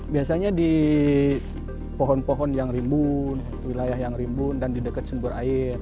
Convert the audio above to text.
biasanya di pohon pohon yang rimbun wilayah yang rimbun dan di dekat sumber air